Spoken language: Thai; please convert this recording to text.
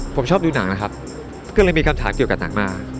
ผมชอบดูหนังนะครับก็เลยมีคำถามเกี่ยวกับหนังมา